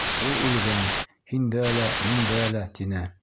Ул үлгән, һиндә лә, миндә лә, тине.